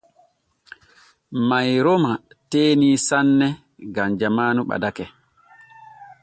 Mayroma teenii saane gam jamaanu ɓadake.